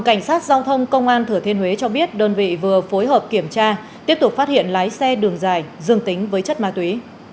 cảnh sát giao thông công an thừa thiên huế cho biết đơn vị vừa phối hợp kiểm tra tiếp tục phát hiện lái xe đường dài dương tính với chất ma túy